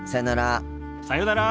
さようなら。